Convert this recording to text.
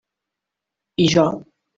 I jo.